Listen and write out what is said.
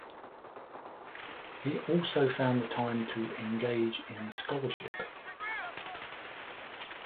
He also found the time to engage in scholarship.